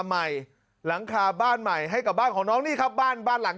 ใหม่หลังคาบ้านใหม่ให้กับบ้านของน้องนี่ครับบ้านบ้านหลัง